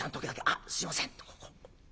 あっすいません」と。